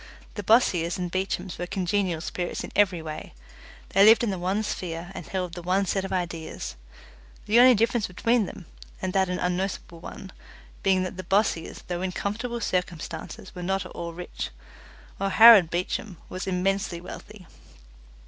The Bossiers and Beechams were congenial spirits in every way they lived in the one sphere and held the one set of ideas, the only difference between them, and that an unnoticeable one, being that the Bossiers, though in comfortable circumstances, were not at all rich, while Harold Beecham was immensely wealthy.